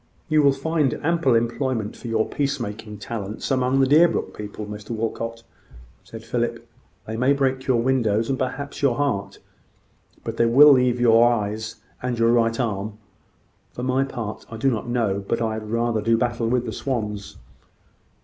"You will find ample employment for your peace making talents among the Deerbrook people, Mr Walcot," said Philip. "They may break your windows, and perhaps your heart; but they will leave you your eyes and your right arm. For my part, I do not know but I had rather do battle with the swans."